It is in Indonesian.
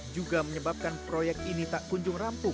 juga menyebabkan proyek ini tak kunjung rampung